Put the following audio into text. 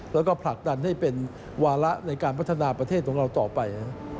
แล้วก็ผลักดันให้เป็นวาระในการพัฒนาประเทศของเราต่อไป